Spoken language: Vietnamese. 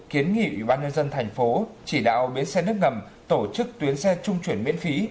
kiến nghị ủy ban nhân dân thành phố chỉ đạo bến xe nước ngầm tổ chức tuyến xe trung chuyển miễn phí